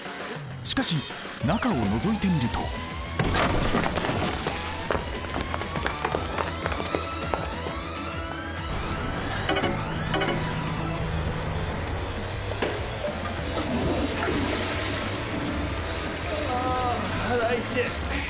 しかし中をのぞいてみるとあ腹痛え。